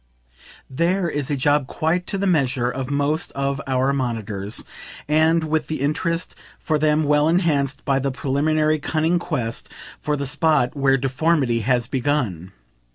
THERE is a job quite to the measure of most of our monitors and with the interest for them well enhanced by the preliminary cunning quest for the spot where deformity has begun.